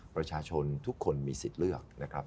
ประชาชนทุกคนมีสิทธิ์เลือกนะครับ